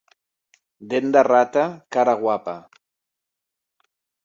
Dent de rata, cara guapa.